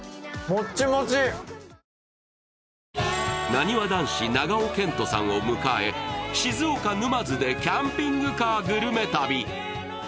なにわ男子・長尾謙杜さんを迎え静岡・沼津でキャンピングカーグルメ旅。